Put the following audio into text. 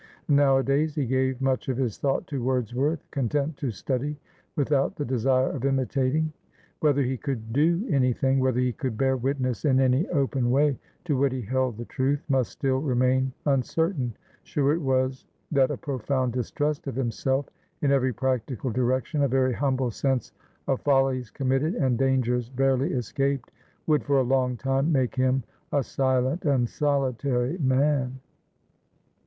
Nowadays he gave much of his thought to Wordsworth, content to study without the desire of imitating. Whether he could do anything, whether he could bear witness in any open way to what he held the truth, must still remain uncertain; sure it was that a profound distrust of himself in every practical direction, a very humble sense of follies committed and dangers barely escaped, would for a long time make him a silent and solitary man.